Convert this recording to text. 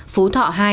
phú thọ hai